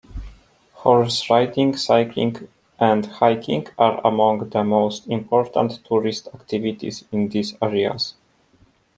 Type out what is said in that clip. Horse-riding, cycling and hiking are among the most important tourist activities in these areas.